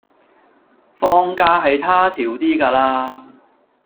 放假係他條 D 架啦